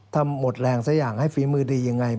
ถ้าหมดแรงสักอย่างให้ฝีมือดียังไง